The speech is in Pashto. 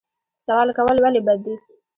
سوال کول ولې بد دي؟